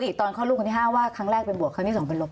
ติดตอนข้อรุ่นคนที่ห้าว่าครั้งแรกเป็นบวกครั้งที่สองเป็นลบ